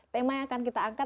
tema yang akan kita angkat